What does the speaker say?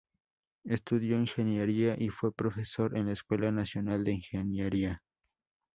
Estudió ingeniería y fue profesor en la Escuela Nacional de Ingeniería.